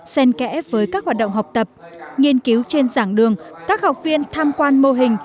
sen kẽ với các hoạt động học tập nghiên cứu trên giảng đường các học viên tham quan mô hình